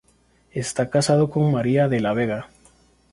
Está casado con María de la Vega.